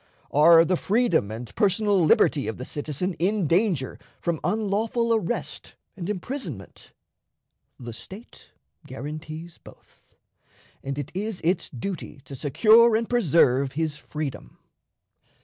Are the freedom and personal liberty of the citizen in danger from unlawful arrest and imprisonment? The State guarantees both, and it is its duty to secure and preserve his freedom.